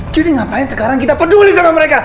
jadi ngapain sekarang kita peduli sama mereka